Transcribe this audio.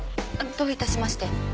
どういたしまして。